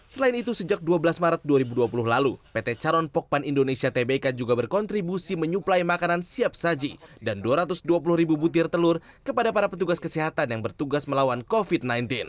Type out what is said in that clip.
selain itu sejak dua belas maret dua ribu dua puluh lalu pt caron pokpan indonesia tbk juga berkontribusi menyuplai makanan siap saji dan dua ratus dua puluh ribu butir telur kepada para petugas kesehatan yang bertugas melawan covid sembilan belas